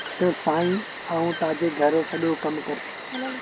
تا سائيٚݩ آئوݩ تآجي گھر رو سڄو ڪم ڪرس